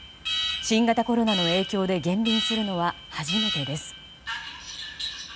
新型コロナの影響で減便するのは初めてです。